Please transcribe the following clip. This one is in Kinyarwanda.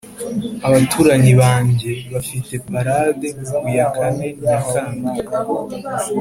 abaturanyi banjye bafite parade ku ya kane nyakanga.